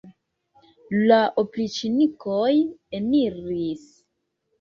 La opriĉnikoj eniris.